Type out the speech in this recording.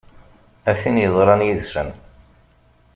A tin yeḍran yid-sen!